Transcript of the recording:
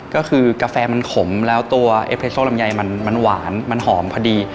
ก็คือกาแฟมันขมแล้วตัวไอ้เพโซลำไยมันหวานมันหอมพอดี